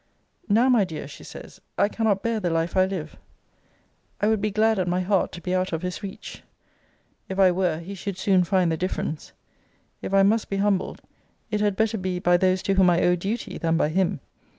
] Now, my dear, she says, I cannot bear the life I live. I would be glad at my heart to be out of his reach. If I were, he should soon find the difference. If I must be humbled, it had better be by those to whom I owe duty, than by him.